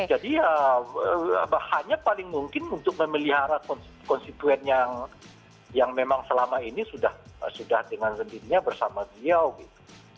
jadi ya hanya paling mungkin untuk memelihara konstituen yang memang selama ini sudah dengan sendirinya bersama beliau gitu